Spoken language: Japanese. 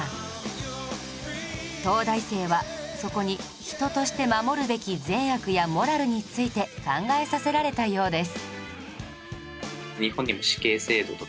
東大生はそこに人として守るべき善悪やモラルについて考えさせられたようです